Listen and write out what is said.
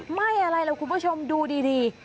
ไหม้อะไรล่ะคุณผู้ชมดูดี